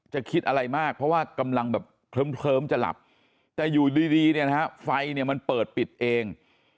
จะคิดอะไรมากเพราะว่ากำลังแบบเคิมจะหลับแต่อยู่ดีไฟมันเปิดปิดเอง